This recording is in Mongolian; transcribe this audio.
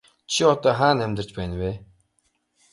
Чи одоо хаана амьдарч байна вэ?